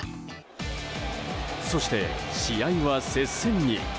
そして、試合は接戦に。